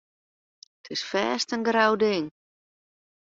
It is fêst in grou ding.